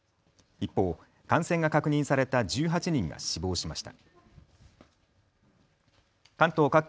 一方、感染が確認された１８人が死亡しました。